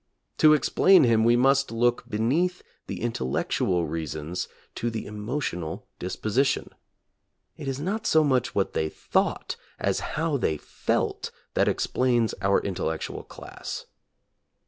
To ex plain him we must look beneath the intellectual reasons to the emotional disposition. It is not so much what they thought as how they felt that explains our intellectual class.